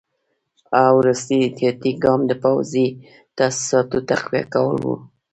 وروستی احتیاطي ګام د پوځي تاسیساتو تقویه کول وو.